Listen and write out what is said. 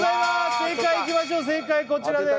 正解いきましょう正解こちらです